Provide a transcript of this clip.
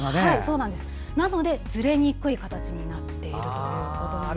なので、ずれにくい形になっているということなんです。